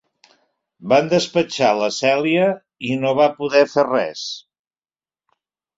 Van despatxar la Cèlia i no va poder fer res.